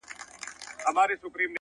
• فاصله مو ده له مځکي تر تر اسمانه,